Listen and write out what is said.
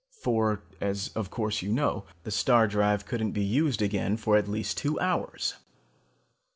For, as of course you know, the star drive couldn't be used again for at least two hours.